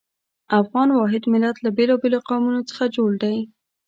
افغان واحد ملت له بېلابېلو قومونو څخه جوړ دی.